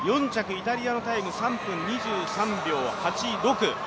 イタリアのタイム３分２３秒８６。